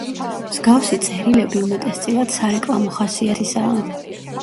მსგავსი წერილები უმეტესწილად სარეკლამო ხასიათისაა.